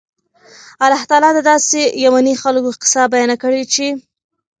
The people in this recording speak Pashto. الله تعالی د داسي يَمَني خلکو قيصه بیانه کړي چې